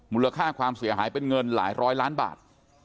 มูลค่าความเสียหายเป็นเงินหลายร้อยล้านบาท